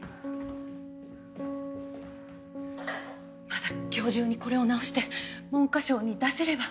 まだ今日中にこれを直して文科省に出せれば。